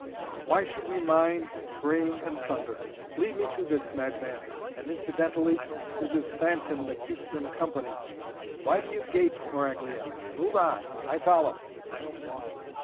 "Why should we mind rain and thunder? Lead me to this madman, and, incidentally, to this phantom that keeps him company. Why do you gape, Maraglia? Move on! I follow!"